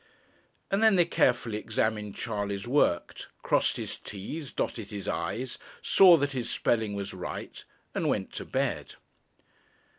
And then they carefully examined Charley's work, crossed his t's, dotted his i's, saw that his spelling was right, and went to bed.